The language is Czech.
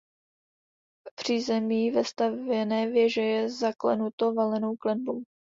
Přízemí vestavěné věže je zaklenuto valenou klenbou.